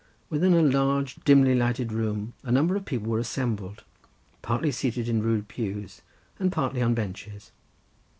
Within a large dimly lighted room a number of people were assembled, partly seated in rude pews, and partly on benches.